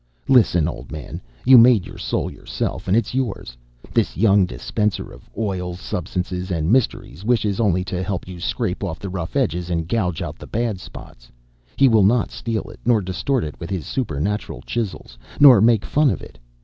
Listen, old man, you made your soul yourself, and it's yours. This young dispenser of oils, substances, and mysteries wishes only to help you scrape off the rough edges and gouge out the bad spots. He will not steal it, nor distort it with his supernatural chisels, nor make fun of it.